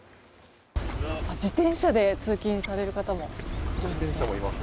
自転車で通勤される方もいるんですね。